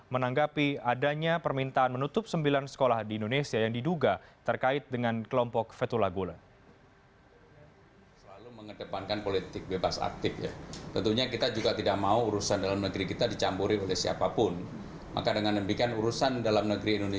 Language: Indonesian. menanggapi adanya permintaan menutup sembilan sekolah di indonesia yang diduga terkait dengan kelompok fetula gula